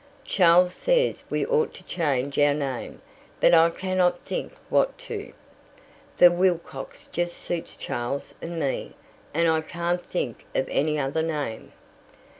Charles says we ought to change our name, but I cannot think what to, for Wilcox just suits Charles and me, and I can't think of any other name."